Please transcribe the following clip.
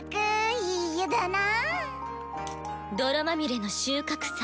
泥まみれの収穫祭